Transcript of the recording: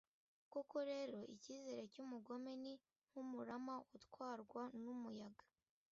koko rero, icyizere cy'umugome ni nk'umurama utwarwa n'umuyaga